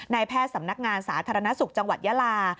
แพทย์สำนักงานสาธารณสุขจังหวัดยาลา